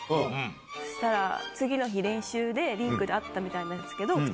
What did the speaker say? そしたら次の日練習でリンクで会ったみたいなんです。